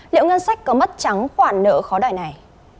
liệu ngân sách có mất trắng khoản nợ khó đòi này